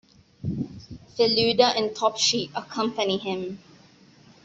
Feluda and Topshe accompany him.